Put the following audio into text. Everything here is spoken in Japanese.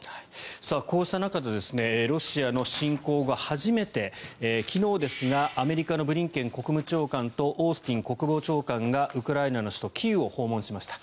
こうした中でロシアの侵攻後初めて昨日ですがアメリカのブリンケン国務長官とオースティン国防長官がウクライナの首都キーウを訪問しました。